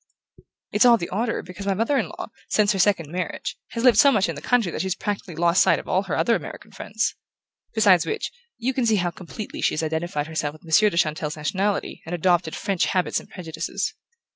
"It's all the odder because my mother in law, since her second marriage, has lived so much in the country that she's practically lost sight of all her other American friends. Besides which, you can see how completely she has identified herself with Monsieur de Chantelle's nationality and adopted French habits and prejudices.